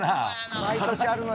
毎年あるのよ。